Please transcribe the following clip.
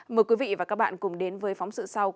mời quý vị và các bạn cùng đến